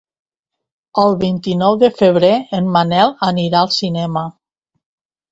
El vint-i-nou de febrer en Manel anirà al cinema.